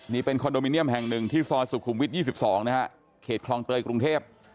นี่เป็นคอนโดมิเนียมแห่งหนึ่งที่ซอยสุขุมวิท๒๒นะฮะเขตคลองเตยกรุงเทพ